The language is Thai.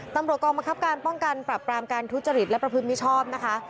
ตำรวจกองบังคับการป้องกันปรับปรามการทุจริตและประพฤติมิชชอบนะคะ